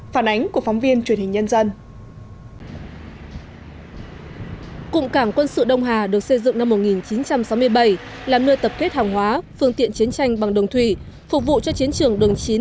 phản ánh của phóng viên truyền hình nhân dân